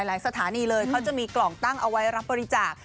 สถานีเลยเขาจะมีกล่องตั้งเอาไว้รับบริจาค